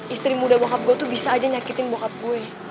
istri muda bokap gue tuh bisa aja nyakitin bokap gue